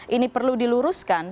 ini perlu diluruskan